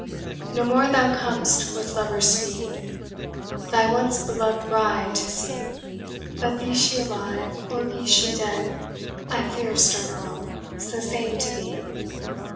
"No more thou com'st with lover's speed, Thy once beloved bride to see; But be she alive, or be she dead, I fear, stern Earl, 's the same to thee.